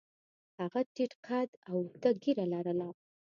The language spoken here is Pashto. هغه ټیټ قد او اوږده ږیره لرله.